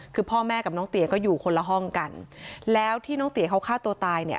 คือพ่อแม่กับน้องเตี๋ยก็อยู่คนละห้องกันแล้วที่น้องเตี๋ยเขาฆ่าตัวตายเนี่ย